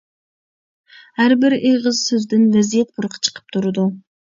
ھەر بىر ئېغىز سۆزىدىن ۋەزىيەت پۇرىقى چىقىپ تۇرىدۇ.